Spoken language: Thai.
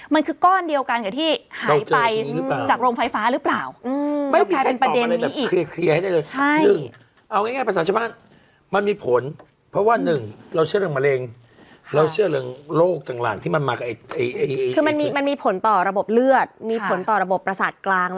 มันคือก้อนเดียวกันกับที่หายไปจากโรงไฟฟ้าหรือเปล่า